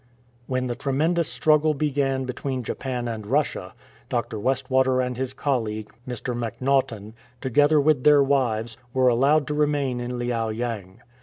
When the tremendous struggle began between Japan and Russia, Dr. Westwater and his colleague, Mr. Mac Naughtan, together with their wives, were allowed to remain in Liao yang.